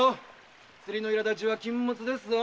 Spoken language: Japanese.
釣りの苛立ちは禁物ですぞ。